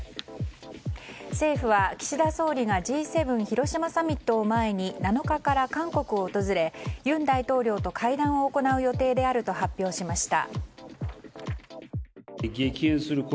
政府は岸田総理がＧ７広島サミットを前に７日から韓国を訪れ尹大統領と会談を行う予定であると発表しました。